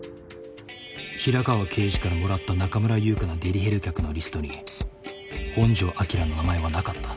平川刑事からもらった中村優香のデリヘル客のリストに本城彰の名前はなかった。